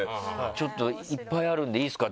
ちょっといっぱいあるんでいいですか？